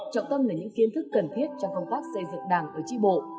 trọng tâm là những kiến thức cần thiết trong công tác xây dựng đảng ở tri bộ